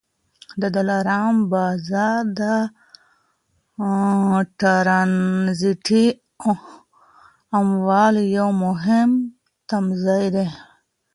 د دلارام بازار د ټرانزیټي اموالو یو مهم تمځای دی.